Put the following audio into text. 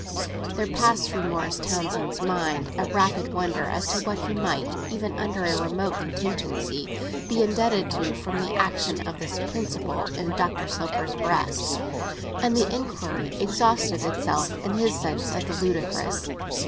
There passed through Morris Townsend's mind a rapid wonder as to what he might, even under a remote contingency, be indebted to from the action of this principle in Dr. Sloper's breast, and the inquiry exhausted itself in his sense of the ludicrous.